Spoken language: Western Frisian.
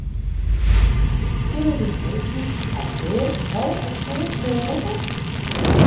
Kinne dy minsken har dêr no op foarstean litte?